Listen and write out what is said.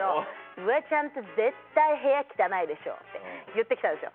「フワちゃんって絶対部屋汚いでしょ」って言って来たんですよ